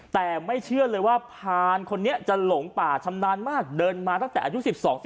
แต่ไม่เชื่อเลยว่าพานคนนี้จะหลงป่าชำนาญมากเดินมาตั้งแต่อายุ๑๒๑